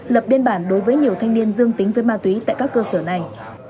lập biên bản đối với nhiều thanh niên dương tính với ma túy tại các cơ sở này